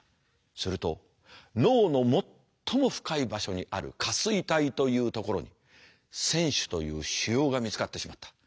すると脳の最も深い場所にある下垂体というところに腺腫という腫瘍が見つかってしまった。